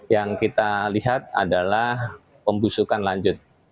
yang kita lihat adalah pembusukan lanjut